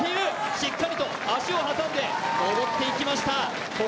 しっかりと足を挟んで登っていきました。